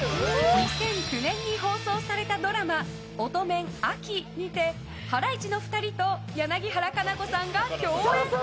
２００９年に放送されたドラマ「オトメン秋」にてハライチのお二人と柳原可奈子さんが共演。